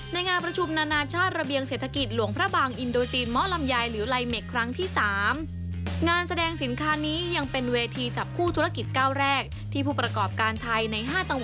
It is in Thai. ในงานประชุมนานาชาติระเบียงเศรษฐกิจ